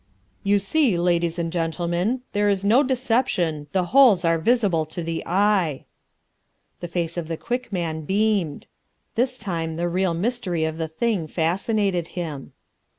You see, ladies and gentlemen, there is no deception; the holes are visible to the eye." The face of the Quick Man beamed. This time the real mystery of the thing fascinated him.